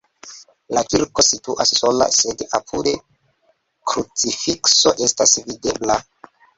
La kirko situas sola, sed apude krucifikso estas videbla.